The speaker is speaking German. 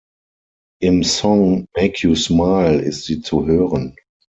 Im Song "Make You Smile" ist sie zu hören.